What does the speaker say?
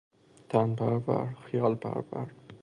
تن پرور- خیال پرور